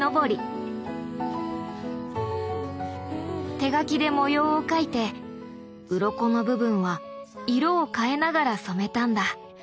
手書きで模様を描いてうろこの部分は色を変えながら染めたんだ。